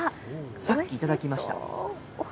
さっきいただきました。